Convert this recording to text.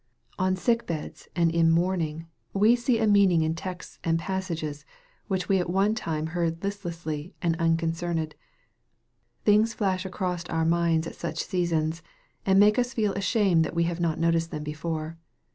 On sick beds, and in mourning, we see a meaning in texts and passages which we at one time heard listlessly and unconcerned. Things flash across our minds at such seasons, and make us feel ashamed that we had not noticed them before.